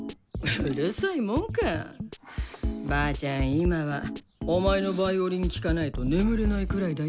今はお前のヴァイオリン聴かないと眠れないくらいだよ！